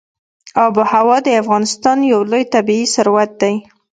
آب وهوا د افغانستان یو لوی طبعي ثروت دی.